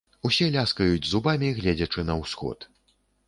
Усе ляскаюць зубамі, гледзячы на ўсход.